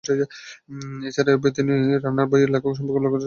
এছাড়া এই বইয়ে বিভিন্ন রান্নার বইয়ের লেখক সম্পর্কে উল্লেখ করা আছে।